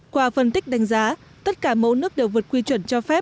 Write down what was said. qua phân tích đánh giá tất cả mẫu nước đều vượt quy chuẩn cho phép